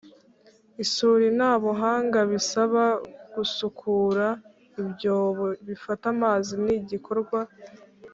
isuri nta buhanga bisaba. Gucukura ibyobo bifata amazi ni igikorwa